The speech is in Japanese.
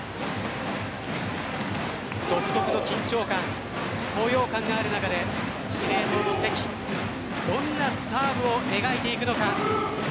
独特の緊張感高揚感がある中で、司令塔の関どんなサーブを描いていくのか。